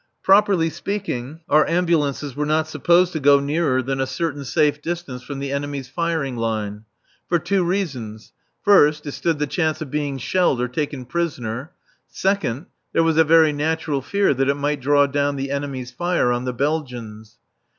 Properly speaking, our ambulances were not supposed to go nearer than a certain safe distance from the enemy's firing line. For two reasons. First, it stood the chance of being shelled or taken prisoner. Second, there was a very natural fear that it might draw down the enemy's fire on the Belgians.